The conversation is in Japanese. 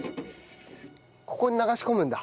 ここに流し込むんだ。